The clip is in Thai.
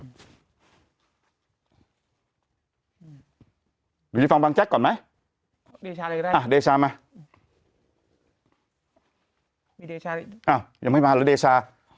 หรือฟังบางแจ๊กก่อนไหมอ่ะเดชามาอ่ะยังไม่มาแล้วเดชา